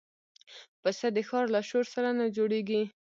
پسه د ښار له شور سره نه جوړيږي.